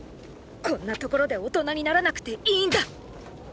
こんな所で大人にならなくていいんだ。